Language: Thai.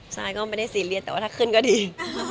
ใช่ก็ไม่ได้ซีเรียสแต่ว่าถ้าขึ้นก็ดี